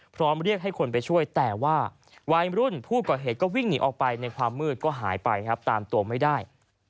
เรียกให้คนไปช่วยแต่ว่าวัยรุ่นผู้ก่อเหตุก็วิ่งหนีออกไปในความมืดก็หายไปครับตามตัวไม่ได้